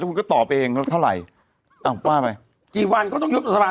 คุณก็ตอบเองว่าเท่าไหร่อ้าวว่าไปกี่วันก็ต้องยุบสภา